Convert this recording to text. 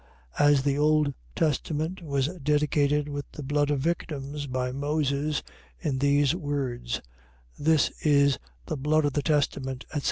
. .As the old testament was dedicated with the blood of victims, by Moses, in these words: This is the blood of the testament, etc.